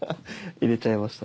入れちゃいました。